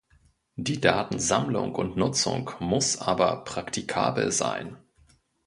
Die Datensammlung und -nutzung muss aber praktikabel sein.